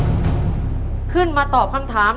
คุณยายแจ้วเลือกตอบจังหวัดนครราชสีมานะครับ